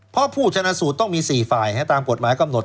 เพราะผู้ชนะสูตรต้องมี๔ฝ่ายตามกฎหมายกำหนด